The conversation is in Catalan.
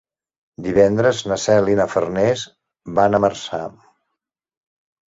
Divendres na Cel i na Farners van a Marçà.